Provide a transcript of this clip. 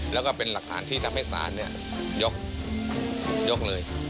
แล้วก็เป็นหลักฐานที่ทำให้ศาลยกเลย